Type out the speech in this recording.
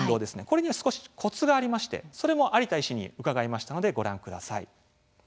これには少しコツがありましてそれも有田医師に伺いましたのでご覧ください。